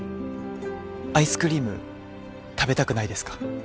アイスクリーム食べたくないですか？